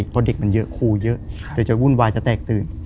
เพราะเด็กมันเยอะครูเยอะเดี๋ยวจะวุ่นวายจะแตกตื่น